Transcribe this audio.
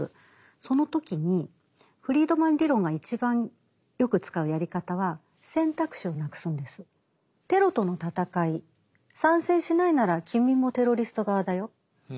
その時にフリードマン理論が一番よく使うやり方はテロとの戦い賛成しないなら君もテロリスト側だよ。